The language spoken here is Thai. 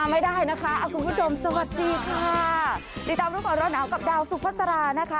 ไม่ได้นะคะคุณผู้ชมสวัสดีค่ะติดตามรู้ก่อนร้อนหนาวกับดาวสุภาษานะคะ